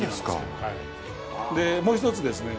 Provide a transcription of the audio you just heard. でもう１つですね。